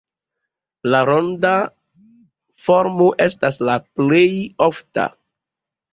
La ronda formo estas la plej ofta.